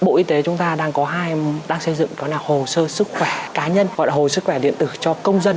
bộ y tế chúng ta đang có hai đang xây dựng đó là hồ sơ sức khỏe cá nhân gọi là hồ sức khỏe điện tử cho công dân